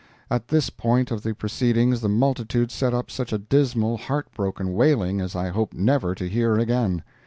At this point of the proceedings the multitude set up such a dismal, heart broken wailing as I hope never to hear again.